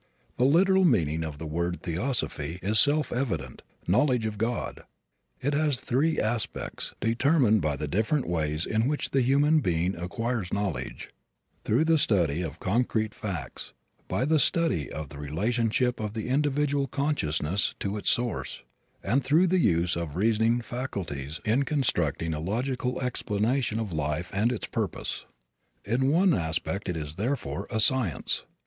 The literal meaning of the word theosophy is self evident knowledge of God. It has three aspects, determined by the different ways in which the human being acquires knowledge through the study of concrete facts, by the study of the relationship of the individual consciousness to its source, and through the use of reasoning faculties in constructing a logical explanation of life and its purpose. In one aspect it is, therefore, a science.